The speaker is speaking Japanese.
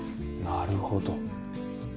なるほど。